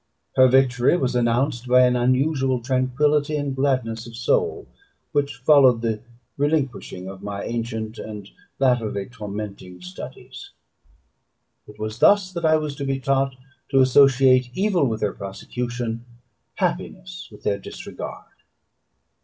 Her victory was announced by an unusual tranquillity and gladness of soul, which followed the relinquishing of my ancient and latterly tormenting studies. It was thus that I was to be taught to associate evil with their prosecution, happiness with their disregard.